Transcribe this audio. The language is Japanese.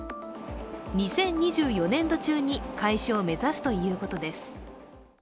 ２０２４年度中に開始を目指すということです。